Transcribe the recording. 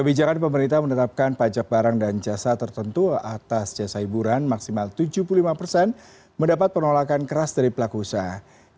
kebijakan pemerintah menetapkan pajak barang dan jasa tertentu atas jasa hiburan maksimal tujuh puluh lima persen mendapat penolakan keras dari pelaku usaha